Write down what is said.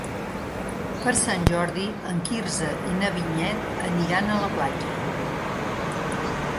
Per Sant Jordi en Quirze i na Vinyet aniran a la platja.